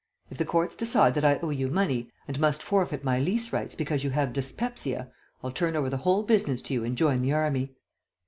If the courts decide that I owe you money, and must forfeit my lease rights because you have dyspepsia, I'll turn over the whole business to you and join the army."